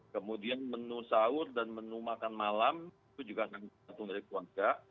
kemudian menu sahur dan menu makan malam itu juga akan datang dari keluarga